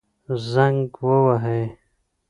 زنګ ووهئ